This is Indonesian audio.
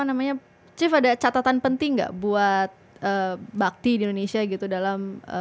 namanya chief ada catatan penting nggak buat bakti di indonesia gitu dalam